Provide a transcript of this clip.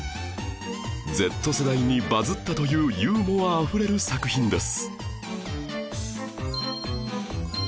Ｚ 世代にバズったというユーモアあふれる作品です